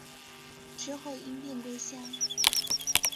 之后因病归乡。